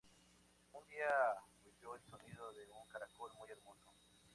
Un día, oyó el sonido de un caracol muy hermoso.